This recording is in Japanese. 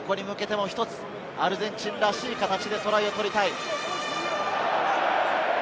そこに向けてもアルゼンチンらしい形でトライを取りたい。